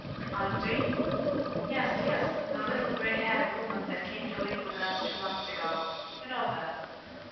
"Aunt Jane?" "Yes, yes the little gray haired woman that came to live with us two months ago. You know her."